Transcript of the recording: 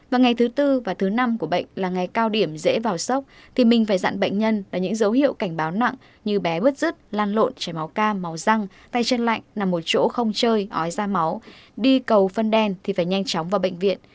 vào ngày thứ tư và thứ năm của bệnh là ngày cao điểm dễ vào sốc thì mình phải dặn bệnh nhân là những dấu hiệu cảnh báo nặng như bé bứt rứt lan lộn trẻ máu cam máu răng tay chân lạnh nằm một chỗ không chơi ói da máu đi cầu phân đen thì phải nhanh chóng vào bệnh viện